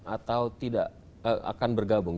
atau tidak akan bergabung